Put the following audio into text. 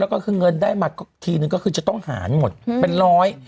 แล้วก็คือเงินได้มาทีนึงก็คือจะต้องหารหมดเป็นร้อย